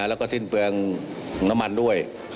แล้วก็สิ้นเปลืองน้ำมันด้วย